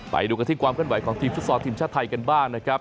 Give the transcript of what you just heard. ไปดูกันที่ความกันไหวของทีมฝุกศรทีมชาติไทยกันบ้างนะครับ